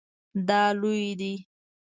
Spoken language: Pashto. دا لوی دی